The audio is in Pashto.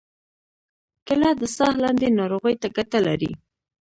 کېله د ساه لنډۍ ناروغۍ ته ګټه لري.